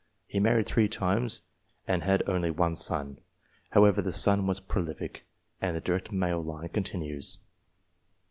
He married three times, and had only one son. However, the son was prolific, and the direct male line continues.